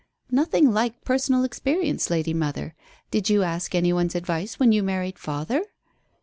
"Nothing like personal experience, lady mother. Did you ask any one's advice when you married father?"